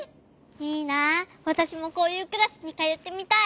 いいなわたしもこういうクラスにかよってみたい。